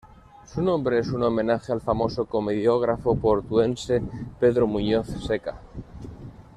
Su nombre es un homenaje al famoso comediógrafo portuense Pedro Muñoz Seca.